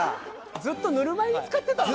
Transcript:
ずっとぬるま湯につかってたんだ僕らは。